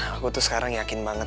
aku tuh sekarang yakin banget